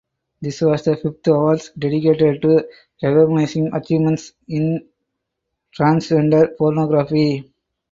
This was the fifth awards dedicated to recognising achievements in transgender pornography.